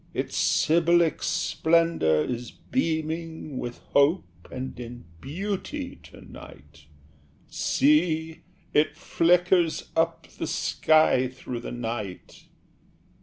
Its Sybilic splendour is beaming With Hope and in Beauty to night: See! it flickers up the sky through the night!